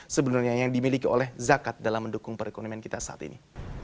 sebenarnya yang dimiliki oleh zakat dalam mendukung perekonomian kita saat ini